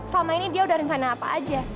selama ini dia udah rencana apa aja